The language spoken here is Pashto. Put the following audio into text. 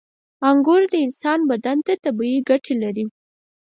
• انګور د انسان بدن ته طبیعي ګټې لري.